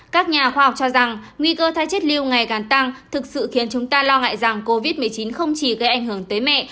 các nhà khoa học cho rằng nguy cơ thái chết lưu ngày càng tăng thực sự khiến chúng ta lo ngại rằng covid một mươi chín không chỉ gây ảnh hưởng tới mẹ